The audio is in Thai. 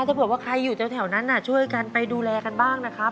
น้อยงานถ้าเขาอยู่แถวนั้นน่ะช่วยกันไปดูแลกันบ้างนะครับ